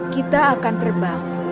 kita akan terbang